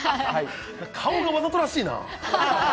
顔がわざとらしいな。